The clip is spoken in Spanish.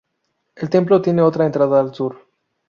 El templo tiene otra entrada al sur.